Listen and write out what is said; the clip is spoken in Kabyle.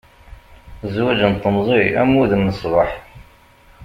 Zwaǧ n temẓi am wudem n ṣṣbeḥ.